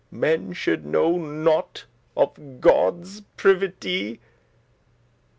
Men should know nought of Godde's privity*.